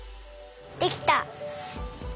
できた！